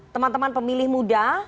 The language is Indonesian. teman teman pemilih muda